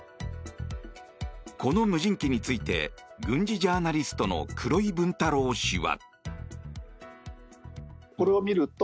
この無人機について軍事ジャーナリストの黒井文太郎氏は。